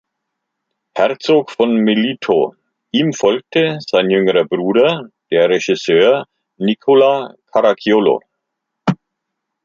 Herzog von Melito; ihm folgte sein jüngerer Bruder, der Regisseur Nicola Caracciolo.